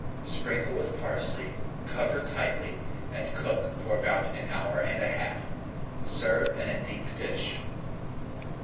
Sprinkle with parsley, cover tightly, and cook for about an hour and a half. Serve in a deep dish.